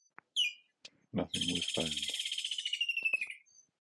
Nothing was found.